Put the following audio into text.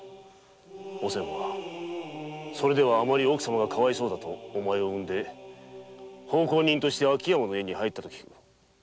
お仙は「それではあまりに奥様がかわいそうだ」とお前を産んだあと奉公人として秋山の家に入った。